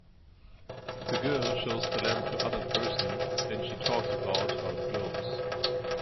The girl shows the lamp to other person and she talks about how it glows